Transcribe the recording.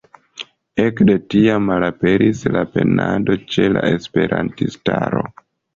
Ekde tiam malaperis la penado ĉe la esperantistaro.